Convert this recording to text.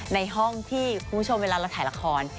ในห้องที่คุณผู้ชมเวลาเราถ่ายละคร